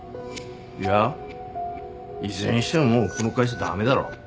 いやいずれにしてももうこの会社駄目だろ。